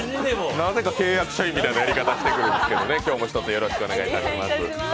なぜか契約社員みたいなやり方してくるんですけどね、今日も一つ、よろしくお願いします